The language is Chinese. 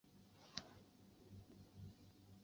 南宋时以太常少卿罢官。